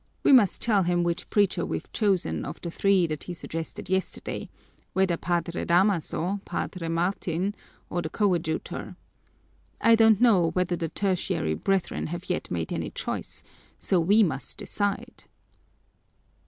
We must tell him which preacher we've chosen of the three that he suggested yesterday, whether Padre Damaso, Padre Martin, or the coadjutor. I don't know whether the Tertiary Brethren have yet made any choice, so we must decide."